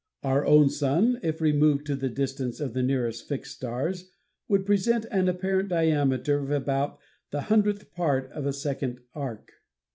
Our own Sun if removed to the distance of the nearest fixed stars would present an apparent diameter of about the hundredth part of a second of arc.